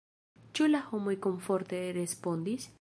Ĉu la homoj komforte respondis?